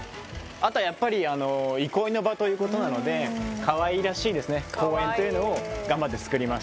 あとはやっぱり憩いの場ということなのでかわいらしい公園というのを頑張ってつくりました